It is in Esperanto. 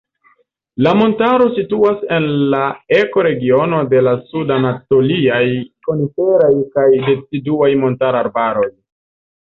La montaro situas en la ekoregiono de la sud-anatoliaj koniferaj kaj deciduaj montarbaroj.